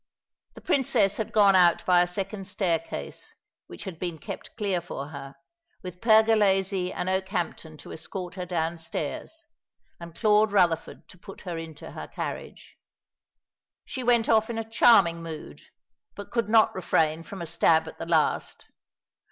The Princess had gone out by a second staircase, which had been kept clear for her, with Pergolesi and Okehampton to escort her downstairs, and Claude Rutherford to put her into her carriage. She went off in a charming mood, but could not refrain from a stab at the last.